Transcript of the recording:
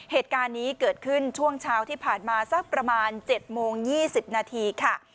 เหตุการณ์นี้เกิดขึ้นช่วงเช้าที่ผ่านมาสักประมาณ๗โมง๒๐นาทีค่ะ